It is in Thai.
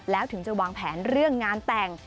แล้วถึงจะวางแผนเรื่องงานแต่ง